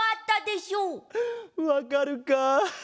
わかるか？